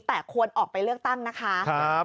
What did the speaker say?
แต่ควรออกไปเลือกตั้งนะคะ